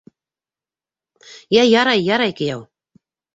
— Йә, ярай, ярай, кейәү.